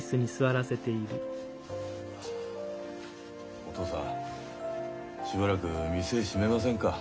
お父さんしばらく店閉めませんか？